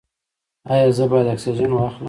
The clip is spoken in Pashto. ایا زه باید اکسیجن واخلم؟